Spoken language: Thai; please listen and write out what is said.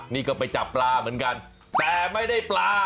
นี่ก็ไปจับปลาเหมือนกันแต่ไม่ได้ปลา